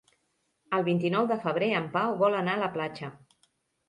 El vint-i-nou de febrer en Pau vol anar a la platja.